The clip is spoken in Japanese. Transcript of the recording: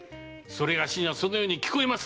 某にはそのように聞こえます！